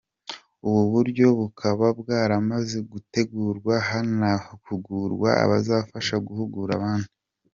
Ubu buryo bukaba bwaramaze gutegurwa hanahugurwa abazafasha guhugura abandi.